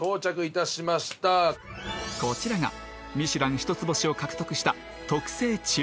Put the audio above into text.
こちらが『ミシュラン』一つ星を獲得した